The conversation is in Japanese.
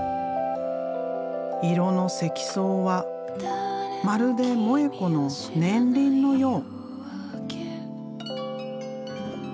色の積層はまるで萌子の年輪のよう。